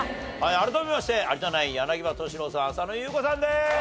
改めまして有田ナイン柳葉敏郎さん浅野ゆう子さんです。